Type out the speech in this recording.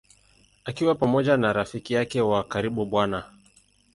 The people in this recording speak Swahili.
Akiwa pamoja na rafiki yake wa karibu Bw.